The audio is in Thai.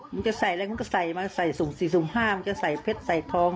มันจะใส่อะไรมึงก็ใส่มาใส่สุ่ม๔สุ่มห้ามึงจะใส่เพชรใส่ทอง